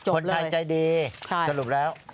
คนไทยใจดีสรุปแล้ว